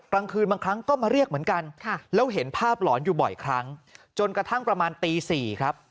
กลางคืนบางครั้งก็มาเรียกเหมือนกันแล้วเห็นภาพหลอนอยู่บ่อยครั้งจนกระทั่งประมาณตี๔ครับ